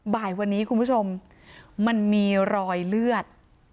บ่ายวันนี้คุณผู้ชมมันมีรอยเลือด